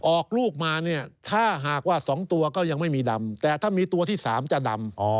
ออกลูกมาเนี่ยถ้าหากว่า๒ตัวก็ยังไม่มีดำแต่ถ้ามีตัวที่๓จะดำ